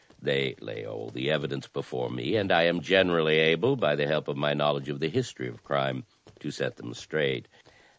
They lay all the evidence before me, and I am generally able, by the help of my knowledge of the history of crime, to set them straight.